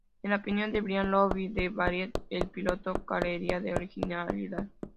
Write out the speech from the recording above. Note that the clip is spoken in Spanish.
En la opinión de Brian Lowry de "Variety", el piloto carecía de originalidad.